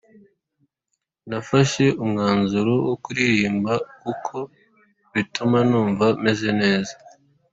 Nafashe umwanzuro wo kuririmba kuko bituma numva meze neza